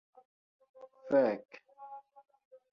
Fek'